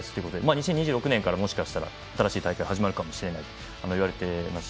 ２０２６年から、もしかしたら新しい大会が始まるかもしれないといわれていますが。